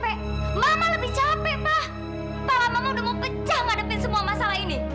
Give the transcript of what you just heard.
pala mama sudah mau pecah menghadapi semua masalah ini